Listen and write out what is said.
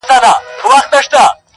نن دې تصوير زما پر ژړا باندې راوښويدی,